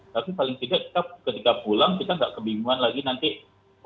tapi paling tidak ketika pulang kita tidak kebingungan lagi nanti oh berapa banyak